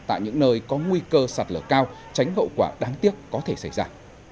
tại những nơi có nguy cơ sạt lở cao tránh hậu quả đáng tiếc có thể xảy ra